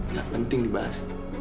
nggak penting dibahas